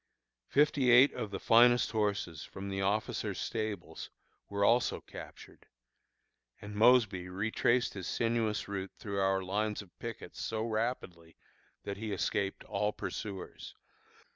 Fifty eight of the finest horses from the officers' stables were also captured; and Mosby retraced his sinuous route through our lines of pickets so rapidly, that he escaped all his pursuers.